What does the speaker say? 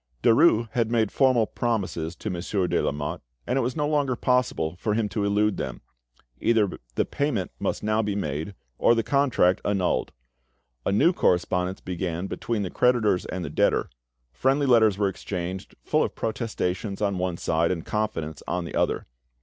Derues had made formal promises to Monsieur de Lamotte, and it was no longer possible for him to elude them. Either the payment must now be made, or the contract annulled. A new correspondence began between the creditors and the debtor; friendly letters were exchanged, full of protestations on one side and confidence on the other.